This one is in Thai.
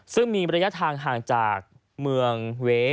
ซึ่งมีระยะทางห่างจากเมืองเว้